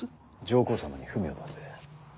上皇様に文を出せ。